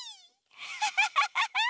ハハハハハ！